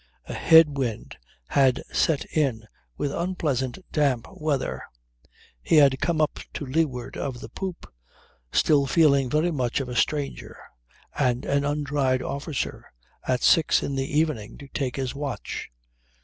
A head wind had set in with unpleasant damp weather. He had come up to leeward of the poop, still feeling very much of a stranger, and an untried officer, at six in the evening to take his watch.